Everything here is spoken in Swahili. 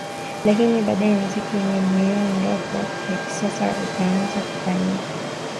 Lakini baadae mziki wenye miondoko ya kisasa ukaanza kufanyika